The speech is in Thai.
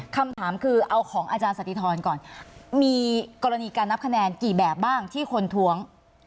คำถามคือเอาของอาจารย์สติธรก่อนมีกรณีการนับคะแนนกี่แบบบ้างที่คนท้วง